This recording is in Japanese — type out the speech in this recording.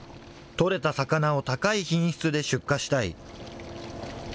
取れた魚を高い品質で出荷したい。